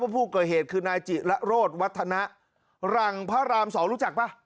ผู้ก่อเหตุคือนายจิระโรธวัฒนะหลังพระราม๒รู้จักป่ะ